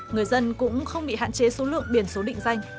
người dân cũng không bị hạn chế số lượng biển số định danh